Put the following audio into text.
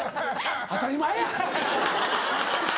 当たり前や！